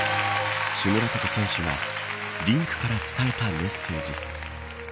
シュムラトコ選手がリンクから伝えたメッセージ。